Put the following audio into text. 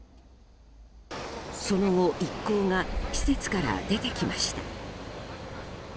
その一行が施設から出てきました。